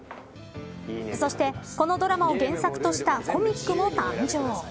そして、このドラマを原作としたコミックも誕生。